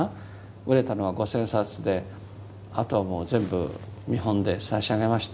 売れたのは５，０００冊であとはもう全部見本で差し上げました。